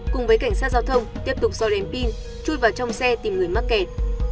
cùng với cảnh sát giao thông tiếp tục do rèm pin chui vào trong xe tìm người mắc kẹt